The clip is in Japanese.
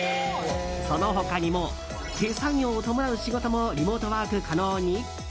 その他にも、手作業を伴う仕事もリモートワーク可能に？